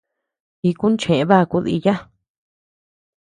Iku cheʼë baku diiya.